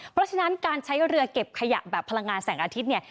เพราะฉะนั้นการใช้เรือเก็บขยะแบบพลังงานแสงอาทิตย์เนี่ย